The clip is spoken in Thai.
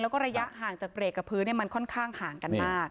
แล้วก็ระยะห่างจากเบรกกับพื้นมันค่อนข้างห่างกันมาก